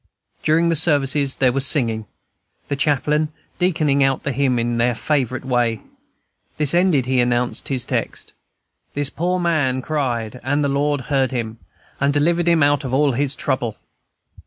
During the services there was singing, the chaplain deaconing out the hymn in their favorite way. This ended, he announced his text, "This poor man cried, and the Lord heard him, and delivered him out of all his trouble."